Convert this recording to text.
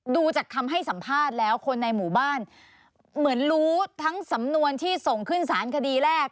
ดูจากคำให้สัมภาษณ์แล้วคนในหมู่บ้านเหมือนรู้ทั้งสำนวนที่ส่งขึ้นสารคดีแรก